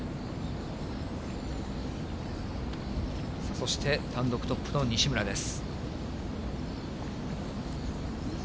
そして、単独トップの西村です。